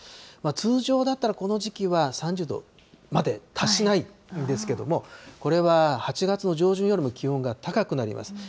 通常だったらこの時期は３０度まで達しないんですけれども、これは８月の上旬よりも気温が高くなります。